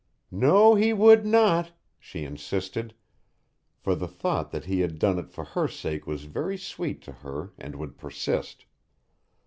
"No, he would not," she insisted, for the thought that he had done it for her sake was very sweet to her and would persist.